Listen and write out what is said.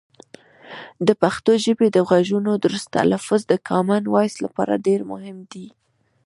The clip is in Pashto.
د پښتو ژبې د غږونو درست تلفظ د کامن وایس لپاره ډېر مهم دی.